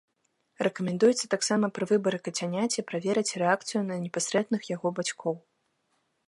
Рэкамендуецца таксама пры выбары кацяняці праверыць рэакцыю на непасрэдных яго бацькоў.